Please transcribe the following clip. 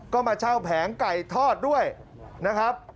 ก็มาเช่าแผงไก่ทอดด้วยนะครับ